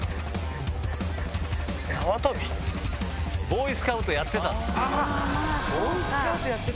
ボーイスカウトやってたって。